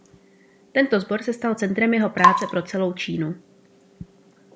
Tento sbor se stal centrem jeho práce pro celou Čínu.